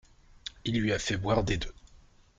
Il lui a fait boire des deux.